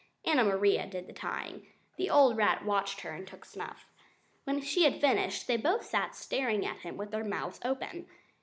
Anna Maria did the tying. The old rat watched her and took snuff. When she had finished, they both sat staring at him with their mouths open.